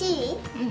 うん。